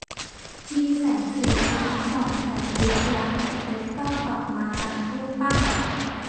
มีแสงสีเขียวส่องแสงระยิบระยับเล็ดลอดออกมาจากรูปปั้น